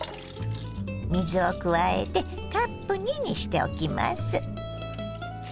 水を加えてカップ２にしておきます。